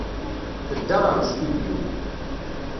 Tedda ɣer ustidyu.